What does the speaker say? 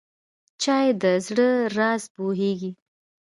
چای د زړه راز پوهیږي.